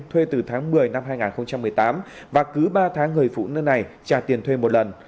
thuê từ tháng một mươi năm hai nghìn một mươi tám và cứ ba tháng người phụ nữ này trả tiền thuê một lần